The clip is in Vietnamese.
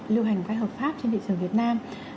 lưu hành hợp pháp trên thị trường việt nam